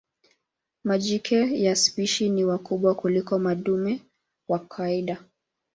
Majike ya spishi ni wakubwa kuliko madume kwa kawaida.